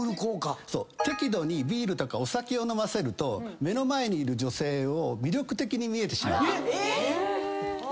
適度にビールとかお酒を飲ませると目の前にいる女性が魅力的に見えてしまうってのがあるんです。